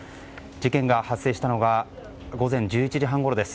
事件が発生したのが午前１１時半ごろです。